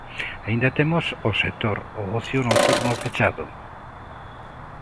Aínda temos o sector o ocio nocturno fechado.